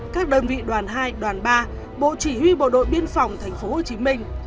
các đơn vị đoàn hai đoàn ba bộ chỉ huy bộ đội biên phòng thành phố hồ chí minh